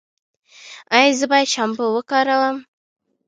ایا زه باید شامپو وکاروم؟